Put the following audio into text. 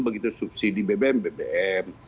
begitu subsidi bbm bbm